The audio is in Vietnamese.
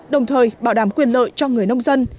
đồng thời bảo đảm quyền lợi cho người nông dân